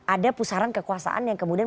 ada pusaran kekuasaan yang kemudian